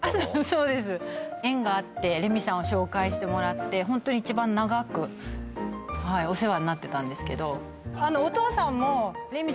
そうです縁があってレミさんを紹介してもらってホントに一番長くお世話になってたんですけどそうなの！？